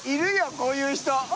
こういう人。